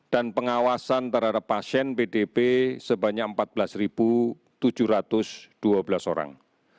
dan pengawasan terhadap pasien bdp sebanyak empat belas tujuh ratus dua belas orang